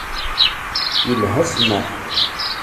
Yelha ssmaḥ.